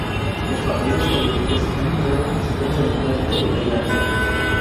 Los partidos políticos han minado el sistema democrático de Tailandia".